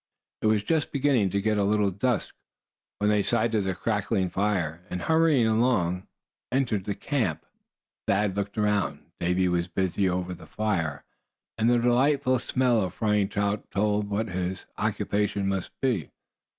It was just beginning to get a little dusk when they sighted the crackling fire, and hurrying along, entered camp. Thad looked around. Davy was busy over the fire, and the delightful smell of frying trout told what his occupation must be.